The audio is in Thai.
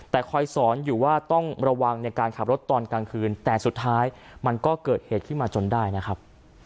แต่คอยสอนอยู่ว่าต้องระวังในการขับรถตอนกลางคืนแต่สุดท้ายมันก็เกิดเหตุขึ้นมาจนได้นะครับ